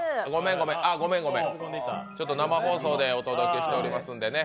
ちょっと生放送でお届けしておりますのでね。